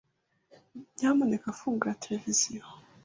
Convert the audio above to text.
Nyamuneka fungura televiziyo.